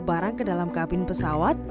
barang ke dalam kabin pesawat